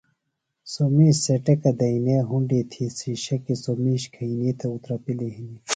سوۡ مِیش سےۡ ٹیۡکہ دئنیے ہُنڈی تھی شِشکیۡ سوۡ میش کھئنی تھےۡ اُترپِلیۡ ہنیۡ